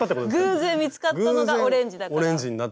偶然見つかったのがオレンジだから。